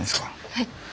はい。